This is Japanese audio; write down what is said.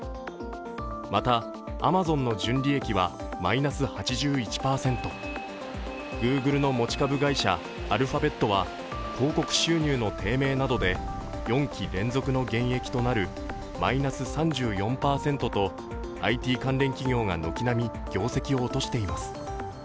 また、アマゾンの純利益はマイナス８１％、Ｇｏｏｇｌｅの持ち株会社、アルファベットは広告収入の低迷などで４期連続の減益となるマイナス３４％とＩＴ関連企業が軒並み業績を落としています。